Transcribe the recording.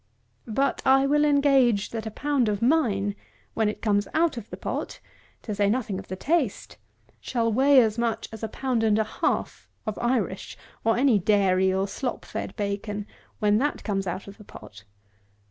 But, I will engage that a pound of mine, when it comes out of the pot (to say nothing of the taste,) shall weigh as much as a pound and a half of Irish, or any dairy or slop fed bacon, when that comes out of the pot.